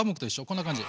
こんな感じ。